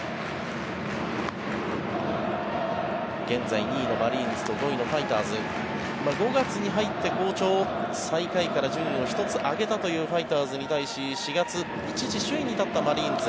現在２位のマリーンズと５位のファイターズ。５月に入って好調最下位から順位を１つ上げたというファイターズに対し４月、一時首位に立ったマリーンズ。